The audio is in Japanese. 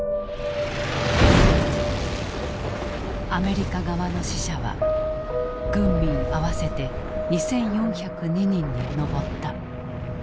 アメリカ側の死者は軍民合わせて２，４０２人に上った。